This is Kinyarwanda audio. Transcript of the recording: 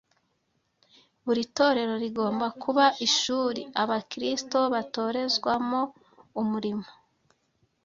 Buri torero rigomba kuba ishuri Abakristo batorezwamo umurimo.